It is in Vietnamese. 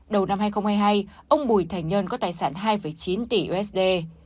đầu năm hai nghìn hai mươi hai ông bùi thành nhân có tài sản hai chín tỷ usd